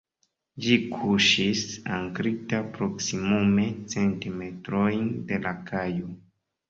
Ĝi kuŝis ankrita proksimume cent metrojn de la kajo.